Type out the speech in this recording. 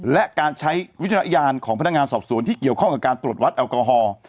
และการใช้วิจารณญาณของพนักงานสอบสวนที่เกี่ยวข้องกับการตรวจวัดแอลกอฮอล์